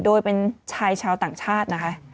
โดยเป็นชายชาวต่างชาตินะคะ